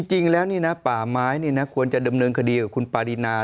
จริงแล้วนี่นะป่าไม้ควรจะดำเนินคดีกับคุณปารีนา